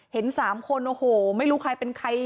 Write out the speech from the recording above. เห็น๓คนโอ้โหไม่รู้ใครเป็นใคร